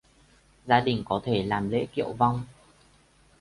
Gia đình có thể làm lễ kiệu vong